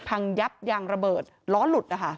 พังยับยางระเบิดล้อหลุดนะคะ